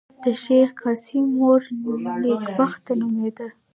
د شېخ قاسم مور نېکبخته نومېده.